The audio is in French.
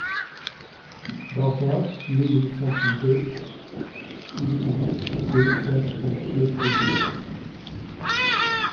Barba, mille huit cent trente-deux, in-huit de cent trente-deux pp.